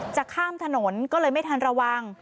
จะข้ามถนนก็เลยไม่ทันระวัง